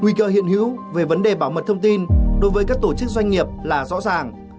nguy cơ hiện hữu về vấn đề bảo mật thông tin đối với các tổ chức doanh nghiệp là rõ ràng